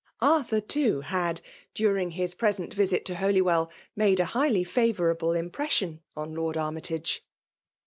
Arthur, too> had, during his present viait to Hofywell, made a hi^ly &TOurable hnpiea aion on Lord Armytage.